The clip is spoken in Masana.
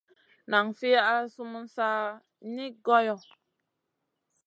Nan fi al sumun sa ka niyn goyo.